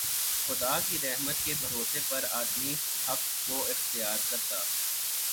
خدا کی رحمت کے بھروسے پر آدمی حق کو اختیار کرتا